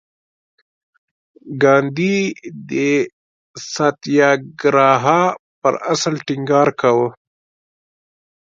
ګاندي د ساتیاګراها پر اصل ټینګار کاوه.